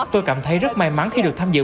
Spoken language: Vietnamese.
tôi cảm thấy rất may mắn khi được tham dự